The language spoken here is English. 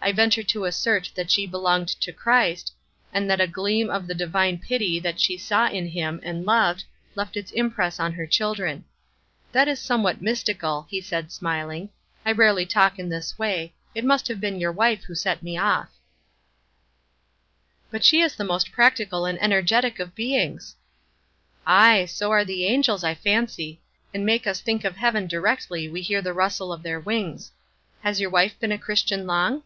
I venture to assert that she belonged to Christ, and that a gleam of the divine pity that she saw in him, and loved, left its impress on her children. That is somewhat mystical," he added, smiling. "I rarely talk in this way; it must have been your wife who set me off." "But she is the most practical and energetic of beings!" "Ay, so are the angels, I fancy; and make us think of heaven directly we hear the rustle of their wings. Has your wife been a Christian long?"